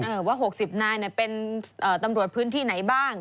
ว่า๖๐นายเป็นตำรวจพื้นที่ไหนบ้าง